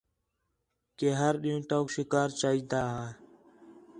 کہ ہر ݙِین٘ہوں توک شکار چاہیجدا ہِے